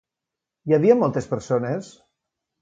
Hi havia moltes persones?